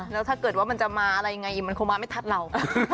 แล้วถ้าเกิดว่ามันจะมาอะไรไงมันคงมาไม่ทัดเรา